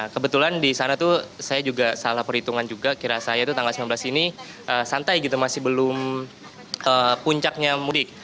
kebetulan di sana tuh saya juga salah perhitungan juga kira saya itu tanggal sembilan belas ini santai gitu masih belum puncaknya mudik